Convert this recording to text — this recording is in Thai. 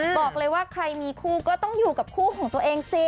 บอกเลยว่าใครมีคู่ก็ต้องอยู่กับคู่ของตัวเองสิ